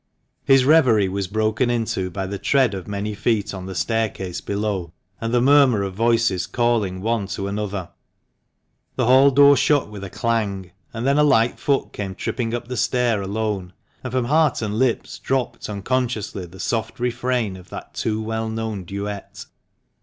His reverie was broken into by the tread of many feet on the staircase below, and the murmur of voices calling one to another ; the hall door shut with a clang, and then a light foot came tripping up the stair alone, and from heart and lips dropped unconsciously the soft refrain of that too well known duet.